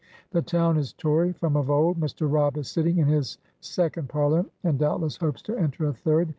The town is Tory, from of old. Mr. Robb is sitting in his second Parliament, and doubtless hopes to enter a third.